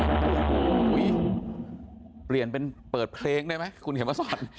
โอ้โหเปลี่ยนเป็นเปิดเพลงได้ไหมคุณเขียนมาสอน